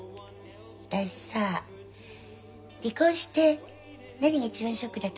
私さ離婚して何が一番ショックだったか分かる？